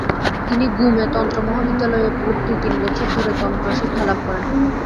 তিনি গ্যুমে তন্ত্র মহাবিদ্যালয়ে ভর্তি তিন বছর ধরে তন্ত্র শিক্ষালাভ করেন।